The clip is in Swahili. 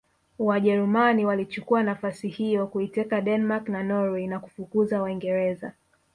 Wajerumani walichukua nafasi hiyo kuiteka Denmark na Norway na kufukuza Waingereza